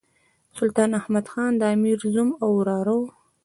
سلطان احمد خان د امیر زوم او وراره وو.